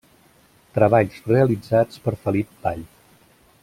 Treballs realitzats per Felip Vall.